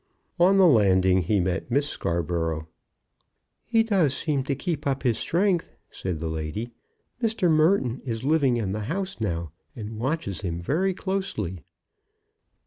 On the landing he met Miss Scarborough. "He does seem to keep up his strength," said the lady. "Mr. Merton is living in the house now, and watches him very closely."